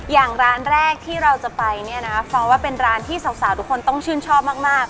อย่างร้านแรกที่เราจะไปเนี่ยนะฟองว่าเป็นร้านที่สาวทุกคนต้องชื่นชอบมาก